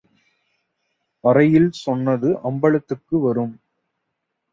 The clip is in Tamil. அறையில் சொன்னது அம்பலத்துக்கு வரும்.